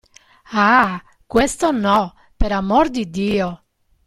Ah, questo no, per amor di Dio!